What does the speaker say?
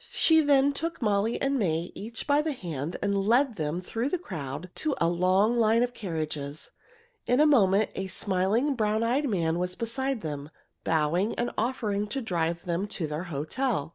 She then took Molly and May each by the hand and led them through the crowd to a long line of carriages. In a moment a smiling, brown eyed man was beside them, bowing and offering to drive them to their hotel.